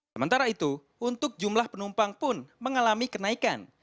sementara itu untuk jumlah penumpang pun mengalami kenaikan